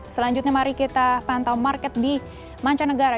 selanjutnya mari kita pantau market di mancanegara